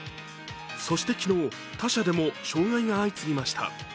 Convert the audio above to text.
そして昨日、他社でも障害が相次ぎました。